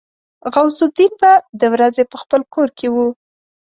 غوث الدين به د ورځې په خپل کور کې و.